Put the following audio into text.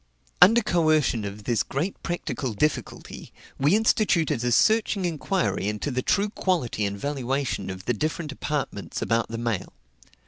Under coercion of this great practical difficulty, we instituted a searching inquiry into the true quality and valuation of the different apartments about the mail.